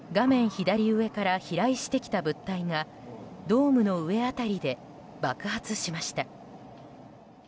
左上から飛来してきた物体がドームの上辺りで爆発しました。